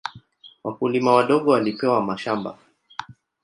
Wakulima wadogo walipewa mashamba.